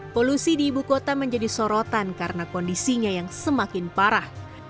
polusi di ibu kota menjadi sorotan karena kondisinya yang semakin parah